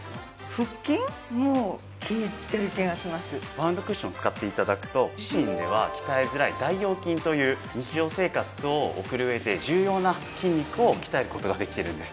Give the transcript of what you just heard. バウンドクッションを使って頂くと自身では鍛えづらい大腰筋という日常生活を送る上で重要な筋肉を鍛える事ができるんです。